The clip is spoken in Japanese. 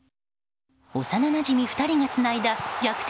幼なじみ２人がつないだ逆転